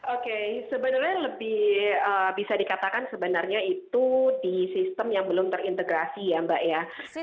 oke sebenarnya lebih bisa dikatakan sebenarnya itu di sistem yang belum terintegrasi ya mbak ya